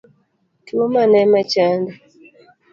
Tuo mane machandi